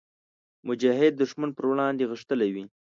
مجاهد د ښمن پر وړاندې غښتلی وي.